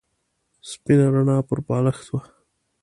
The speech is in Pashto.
سپینه رڼا پر بالښت وه.